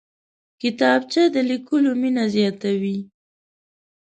کتابچه د لیکلو مینه زیاتوي